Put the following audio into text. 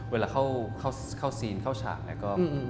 เวลาเข้าซีนเข้าฉาก